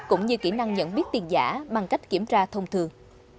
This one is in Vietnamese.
cũng như kỹ năng nhận biết tiền giả bằng cách kiểm tra thông thường